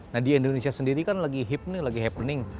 nah di indonesia sendiri kan lagi hip nih lagi happening